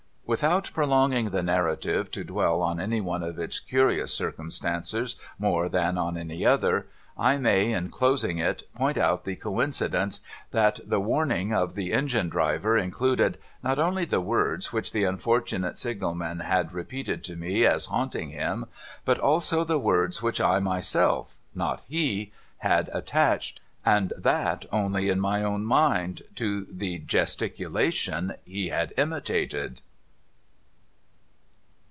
Without prolonging the narrative to dwell on any one of its curious circumstances more than on any other, I may, in closing it, point out the coincidence that the warning of the Engine Driver included, not only the words which the unfortunate Signal man had repeated to me as haunting him, but also the words which I myself — not he — had attached, and that only in my own mind, to the {^■esticulation he had imitated.